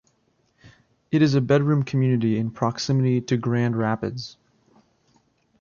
It is a bedroom community in proximity to Grand Rapids.